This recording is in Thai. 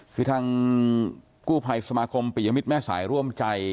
คือทางกู้ภัยสมาคมปิยมิตรแม่สายร่วมใจ